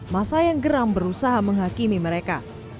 masa yang geram berusaha menghakimi mereka